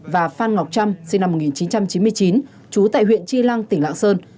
và phan ngọc trâm sinh năm một nghìn chín trăm chín mươi chín trú tại huyện chi lăng tỉnh lạng sơn